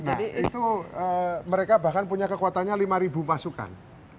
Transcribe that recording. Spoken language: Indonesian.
nah itu mereka bahkan punya kekuatannya lima pasukan